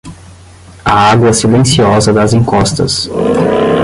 A água silenciosa das encostas.